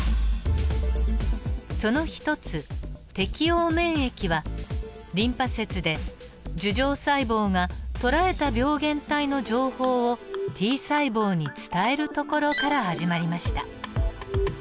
その一つ適応免疫はリンパ節で樹状細胞がとらえた病原体の情報をＴ細胞に伝えるところから始まりました。